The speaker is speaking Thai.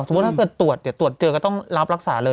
สมมุติว่าถ้าเกิดตรวจเดี๋ยวตรวจเจอก็ต้องรับรักษาเลย